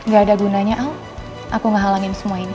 gak ada gunanya al aku nghalangin semua ini